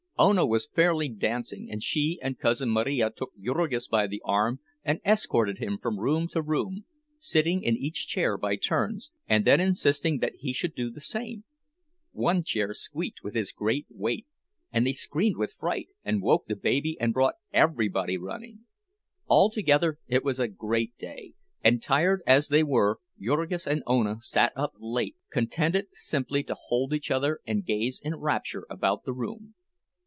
Ona was fairly dancing, and she and Cousin Marija took Jurgis by the arm and escorted him from room to room, sitting in each chair by turns, and then insisting that he should do the same. One chair squeaked with his great weight, and they screamed with fright, and woke the baby and brought everybody running. Altogether it was a great day; and tired as they were, Jurgis and Ona sat up late, contented simply to hold each other and gaze in rapture about the room.